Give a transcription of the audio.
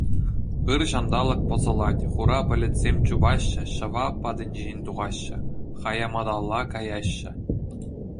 Ыр ҫанталӑк пӑсӑлать, хура пӗлӗтсем чупаҫҫӗ, ҫӑва патӗнчен тухаҫҫӗ, хӑяматалла каяҫҫӗ!